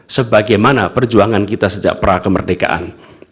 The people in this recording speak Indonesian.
sebagaimana perjuangan kita sejak pra kemerdekaan